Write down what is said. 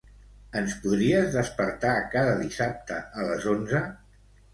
Ens podries despertar cada dissabte a les onze?